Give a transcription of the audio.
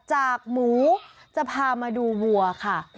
หมูจะพามาดูวัวค่ะ